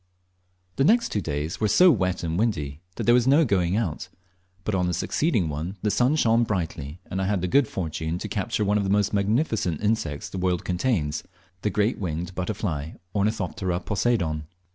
The next two days were so wet and windy that there was no going out; but on the succeeding one the sun shone brightly, and I had the good fortune to capture one of the most magnificent insects the world contains, the great bird winged butterfly, Ornithoptera Poseidon.